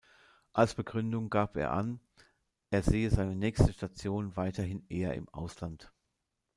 Als Begründung gab er an, er sehe seine nächste Station weiterhin eher im Ausland.